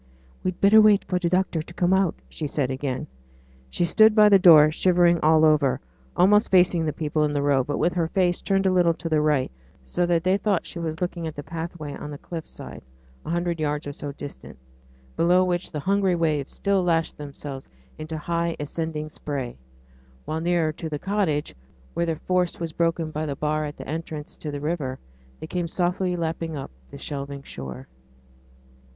'We'd better wait for t' doctors to come out,' she said again. She stood by the door, shivering all over, almost facing the people in the road, but with her face turned a little to the right, so that they thought she was looking at the pathway on the cliff side, a hundred yards or so distant, below which the hungry waves still lashed themselves into high ascending spray; while nearer to the cottage, where their force was broken by the bar at the entrance to the river, they came softly lapping up the shelving shore.